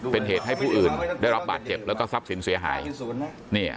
เป็นเหตุให้ผู้อื่นได้รับบาดเจ็บแล้วก็ทรัพย์สินเสียหาย